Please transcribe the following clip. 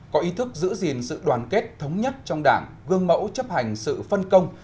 có ý thức giữ gìn sự đoàn kết thống nhất trong đảng gương mẫu chấp hành sự phân công